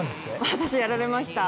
私、やられました。